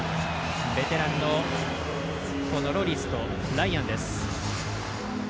ベテランのロリスとライアンです。